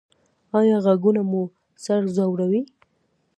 ایا غږونه مو سر ځوروي؟